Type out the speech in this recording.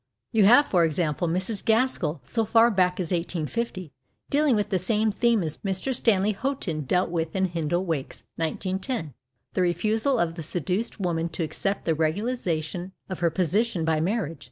You have, for example, Mrs. Gaskell, so far back as 1850, dealing with the same theme as Mr. Stanley Houghton dealt with in " Ilindle Wakes " (1910) — the refusal of the seduced woman 'o accept the regularization of her position by marriage.